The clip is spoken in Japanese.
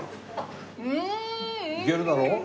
いけるだろ？